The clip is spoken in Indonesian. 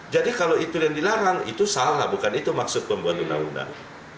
jadi kalau itu yang dilarang itu salah bukan itu maksud pembuat undang undang